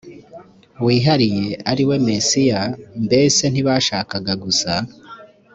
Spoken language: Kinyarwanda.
wihariye ariwe mesiya mbese ntibashakaga gusa